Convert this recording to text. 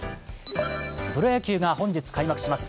プロ野球が本日開幕します。